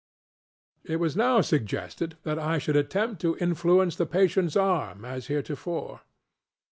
It was now suggested that I should attempt to influence the patientŌĆÖs arm, as heretofore.